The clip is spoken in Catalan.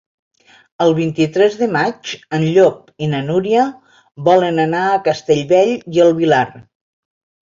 El vint-i-tres de maig en Llop i na Núria volen anar a Castellbell i el Vilar.